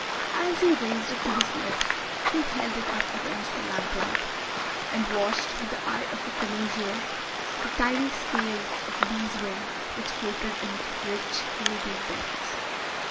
As he raised it to his lips, he held it up against the lamplight, and watched with the eye of a connoisseur the tiny scales of beeswing which floated in its rich ruby depths.